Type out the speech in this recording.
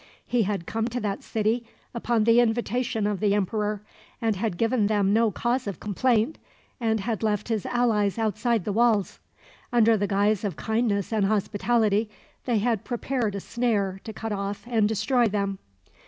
He had come to that city upon the invitation of the emperor, had given them no cause of complaint, and had left his allies outside the walls. Under the guise of kindness and hospitality, they had prepared a snare to cut off and destroy them.